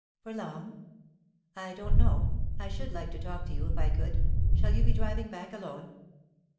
"For long?" "I don't know. I should like to talk to you, if I could. Shall you be driving back alone?"